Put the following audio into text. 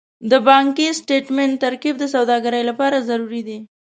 د بانکي سټېټمنټ ترتیب د سوداګرۍ لپاره ضروري دی.